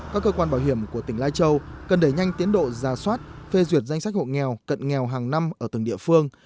các cơ quan bảo hiểm của tỉnh lai châu cần đẩy nhanh tiến độ ra soát phê duyệt danh sách hộ nghèo cận nghèo hàng năm ở từng địa phương